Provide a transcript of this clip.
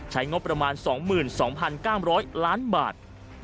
ใช้งบประมาณ๒๒๙๐๐ล้านบาท